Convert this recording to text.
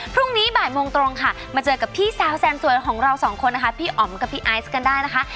พี่อ๋อมกับพี่ไอซ์กันได้นะคะ